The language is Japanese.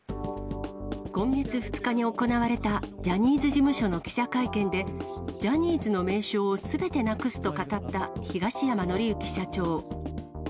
今月２日に行われたジャニーズ事務所の記者会見で、ジャニーズの名称をすべてなくすと語った東山紀之社長。